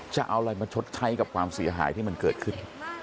จะเอาอะไรมาชดใช้กับความเสียหายที่มันเกิดขึ้น